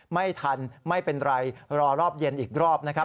ไม่ทันไม่เป็นไรรอรอบเย็นอีกรอบนะครับ